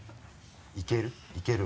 いける？